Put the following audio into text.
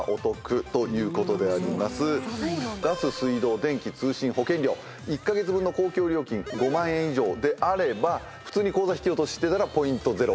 ガス水道電気通信保険料１カ月分の公共料金５万円以上であれば普通に口座引き落とししてたらポイントゼロ。